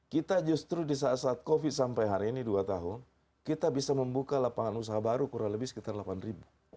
kita justru di saat saat covid sampai hari ini dua tahun kita bisa membuka lapangan usaha baru kurang lebih sekitar delapan ribu